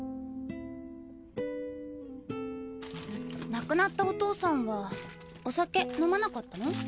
亡くなったお父さんはお酒飲まなかったの？